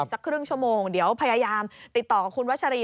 สักครึ่งชั่วโมงเดี๋ยวพยายามติดต่อกับคุณวัชรี